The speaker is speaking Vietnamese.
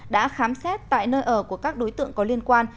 đã khám xét tại nơi ở của các đối tượng có liên quan